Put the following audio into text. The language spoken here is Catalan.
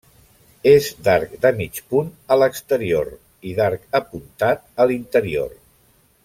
És d'arc de mig punt a l'exterior i d'arc apuntat a l'interior.